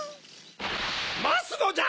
まつのじゃ！